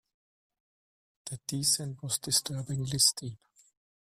The descent was disturbingly steep.